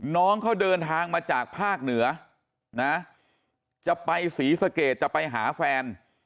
น้องเขาเดินทางมาจากภาคเหนือนะจะไปศรีสะเกดจะไปหาแฟน